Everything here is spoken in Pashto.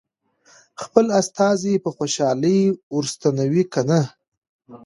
خپل استازی په خوشالۍ ور ستنوي که نه.